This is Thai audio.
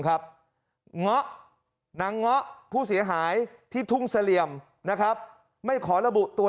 คับหนังฯผู้เสียอหายที่ทุ่งเสรียมนะครับไม่ขอระบุตัว